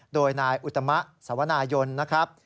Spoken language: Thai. โดยนายอุตมะสวนายนนะครับ